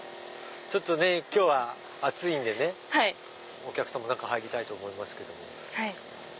今日は暑いんでねお客さんも中入りたいと思いますけども。